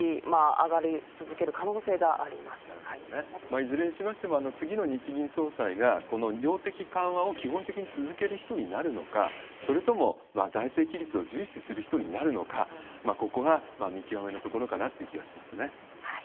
いずれにしましても、次の日銀総裁が、この量的緩和を基本的に続ける人になるのか、それとも財政規律を重視する人になるのか、ここが見極めのところかなっていう気はしますね。